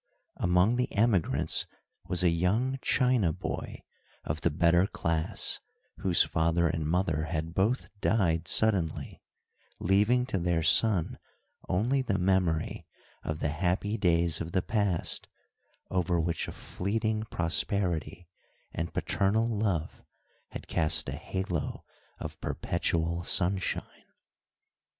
Among the emigrants was a young China boy, of the better class, whose father and mother had both died suddenly, leaving to their son only the memory of the happy days of the past, over which a fleeting prosperity and paternal love had cast the halo of perpetual sunshine.